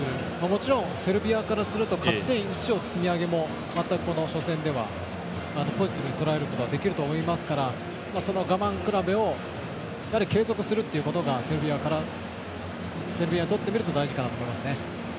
もちろんセルビアからすると勝ち点１の積み上げも初戦ではポジティブにとらえることはできると思いますから我慢比べを継続するっていうことがセルビアにとってみると大事かなと思いますね。